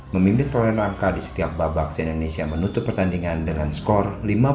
memimpin prole langkah di setiap babak siena indonesia menutup pertandingan dengan skor lima puluh tiga dua puluh delapan